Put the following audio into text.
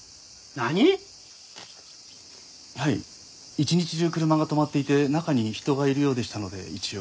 一日中車が止まっていて中に人がいるようでしたので一応。